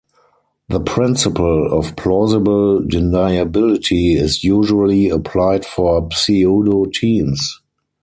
The principle of plausible deniability is usually applied for pseudo-teams.